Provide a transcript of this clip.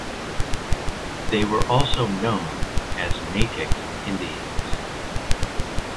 They were also known as Natick Indians.